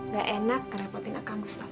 gak enak kerepotin akang gue sendiri